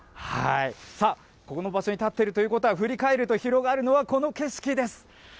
さあ、ここの場所に立ってるということは、振り返ると広がるのは、この景色です。